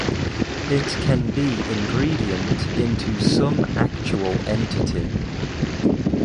It can be ingredient into some actual entity.